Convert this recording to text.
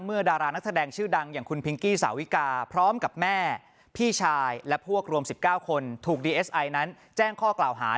เมื่อดารานักแสดงชื่อดังอย่างคุณพิงกี้สาวิกา